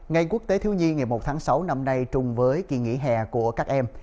ngày quốc tế thiếu nhi mùng một tháng sáu năm nay trùng với kỳ nghỉ hè của các em